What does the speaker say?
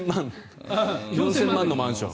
４０００万のマンション。